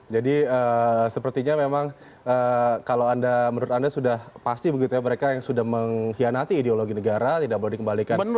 jadi sepertinya memang kalau anda menurut anda sudah pasti begitu ya mereka yang sudah mengkhianati ideologi negara tidak boleh dikembalikan ke tanah air